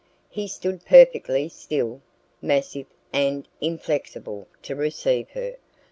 He stood perfectly still, massive and inflexible, to receive her.